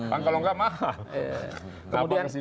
pak kalau nggak mahal